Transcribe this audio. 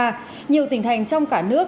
nhiều tỉnh thành trong cả nước